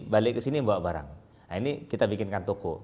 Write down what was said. balik kesini membawa barang ini kita bikinkan toko